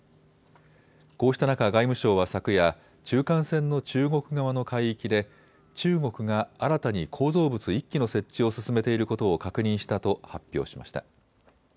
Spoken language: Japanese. こうした中、外務省は昨夜中間線の中国側の海域で中国が新たに構造物１基の設置を進めていることを確認したと発表しました。